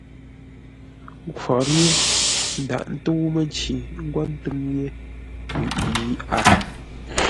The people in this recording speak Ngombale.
Khwor yé ndaghʼ ntə́u mənci ə́ ngwo ńtʉ́ŋ yé yʉʼ yi a.